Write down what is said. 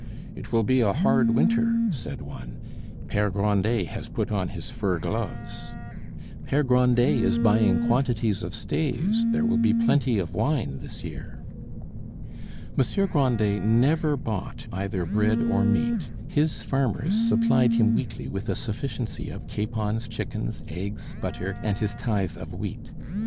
"It will be a hard winter," said one; "Pere Grandet has put on his fur gloves." "Pere Grandet is buying quantities of staves; there will be plenty of wine this year." Monsieur Grandet never bought either bread or meat. His farmers supplied him weekly with a sufficiency of capons, chickens, eggs, butter, and his tithe of wheat.